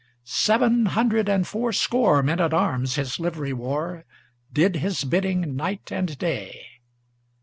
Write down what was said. Seven hundred and fourscore Men at arms his livery wore, Did his bidding night and day.